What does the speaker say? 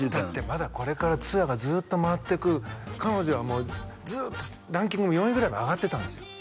まだこれからツアーがずっと回っていく彼女はもうずっとランキングも４位ぐらいまで上がってたんですよ